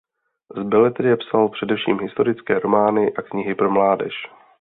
Z beletrie psal především historické romány a knihy pro mládež.